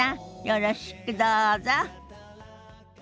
よろしくどうぞ。